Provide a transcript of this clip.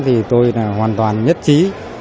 thì tôi hoàn toàn nhất trí